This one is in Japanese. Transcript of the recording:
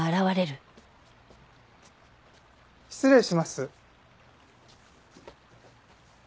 失礼します。